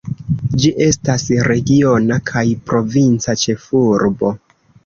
Ĝi estas regiona kaj provinca ĉefurboj.